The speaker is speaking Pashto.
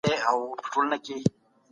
دا يو عدد دئ.